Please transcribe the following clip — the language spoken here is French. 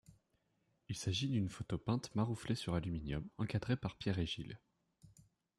Il s'agit d'une photo peinte marouflée sur aluminium encadrée par Pierre et Gilles.